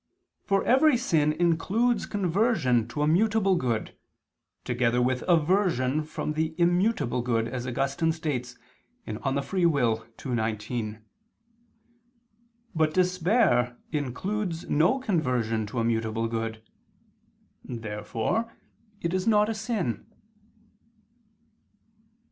For every sin includes conversion to a mutable good, together with aversion from the immutable good, as Augustine states (De Lib. Arb. ii, 19). But despair includes no conversion to a mutable good. Therefore it is not a sin.